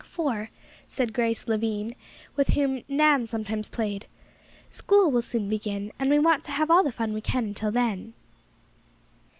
"For," said Grace Lavine, with whom Nan sometimes played, "school will soon begin, and we want to have all the fun we can until then."